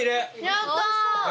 やったー！